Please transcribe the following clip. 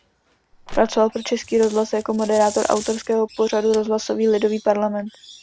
Pracoval pro Český rozhlas jako moderátor autorského pořadu "Rozhlasový lidový parlament".